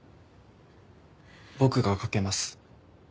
僕がかけます。